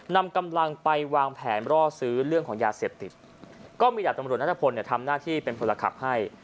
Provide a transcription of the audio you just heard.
นำกำลังไปวางแผนร่อซื้อเรื่องของยาเสพติดก็มีดาบตำรวจนัทพลเนี่ยทำหน้าที่เป็นคนละขับให้